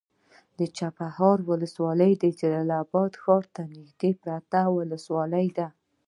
چپرهار ولسوالي د جلال اباد ښار ته نږدې پرته ولسوالي ده.